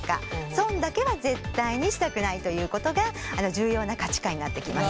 損だけは絶対にしたくないということが重要な価値観になってきます。